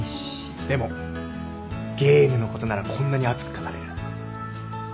でもゲームのことならこんなに熱く語れる